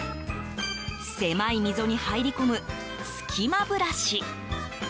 狭い溝に入り込むすき間ブラシ。